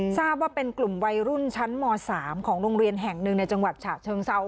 ทราบว่าเป็นกลุ่มวัยรุ่นชั้นม๓ของโรงเรียนแห่งหนึ่งในจังหวัดฉะเชิงเซา